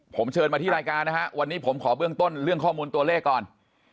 ผมเชิญมาที่รายการนะฮะวันนี้ผมขอเบื้องต้นเรื่องข้อมูลตัวเลขก่อน